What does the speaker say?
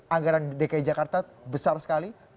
anggaran dki jakarta besar sekali